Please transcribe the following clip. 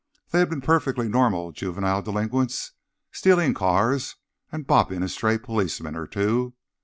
They had been perfectly normal juvenile delinquents, stealing cars and bopping a stray policeman or two.